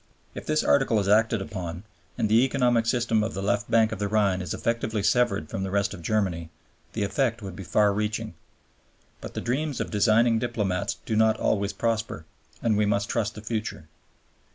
If this Article is acted upon, and the economic system of the left bank of the Rhine is effectively severed from the rest of Germany, the effect would be far reaching. But the dreams of designing diplomats do not always prosper, and we must trust the future.